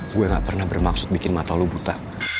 gue gak pernah bermaksud bikin mata lo buta